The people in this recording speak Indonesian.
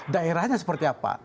daerahnya seperti apa